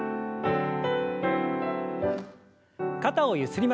肩をゆすりましょう。